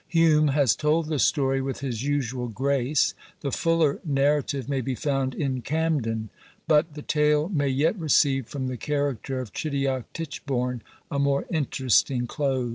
Hume has told the story with his usual grace: the fuller narrative may be found in Camden; but the tale may yet receive from the character of Chidiock Titchbourne, a more interesting close.